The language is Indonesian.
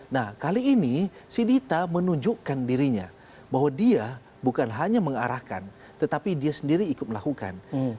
nah kali ini si dita menunjukkan dirinya bahwa dia bukan hanya mengarahkan tetapi dia sendiri ikut melakukan